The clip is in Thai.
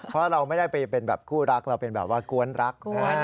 เพราะเราไม่ได้ไปเป็นแบบคู่รักเราเป็นแบบว่ากวนรัก